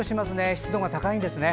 湿度が高いんですね。